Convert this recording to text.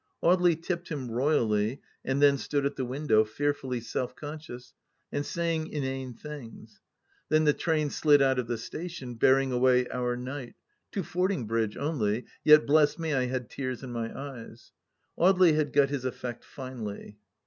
... Audely tipped him royally, and then stood at the win dow, fearfully self conscious — and saying inane things. ... Then the train slid out of the station, bearing away our knight — to Fordingbridge only I Yet, bless me, I had tears in my eyes t Audely had got his effect finely.